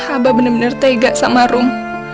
aba bener bener tega sama rum